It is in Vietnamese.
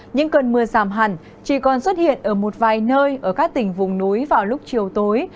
những cơn mưa giảm hẳn chỉ còn xuất hiện ở một vài nơi ở các tỉnh vùng núi vào lúc chiều tối